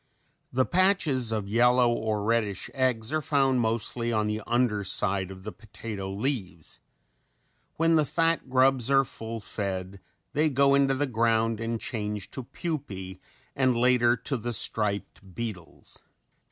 The patches of yellow or reddish eggs are found mostly on the under side of the potato leaves. When the fat grubs are full fed they go into the ground and change to pupae and later to the striped beetles.